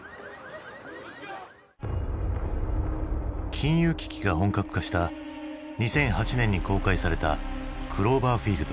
金融危機が本格化した２００８年に公開された「クローバーフィールド」。